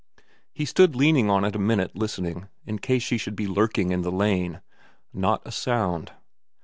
He stood leaning on it a minute listening, in case she should be lurking in the lane. Not a sound.